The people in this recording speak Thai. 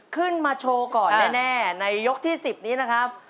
ขึ้นมาโชว์ก่อนแน่ในยกที่๑๐นี้นะครับ